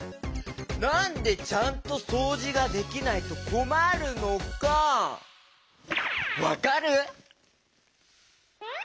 なんでちゃんとそうじができないとこまるのかわかる？